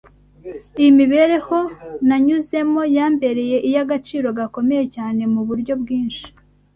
Iyi mibereho nanyuzemo yambereye iy’agaciro gakomeye cyane mu buryo bwinshi